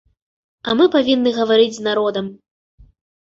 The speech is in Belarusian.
А мы павінны гаварыць з народам.